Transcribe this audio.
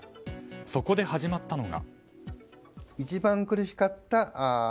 そこで始まったのが。